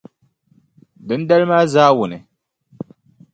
Dindali maa zaawuni,